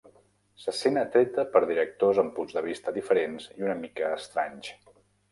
Se sent atreta per directors amb punts de vista diferents i una mica "estranys".